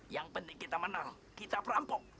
yang penting kita menang kita perampok